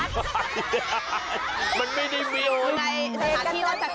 มันไม่ได้มีในสถานที่รัฐกาล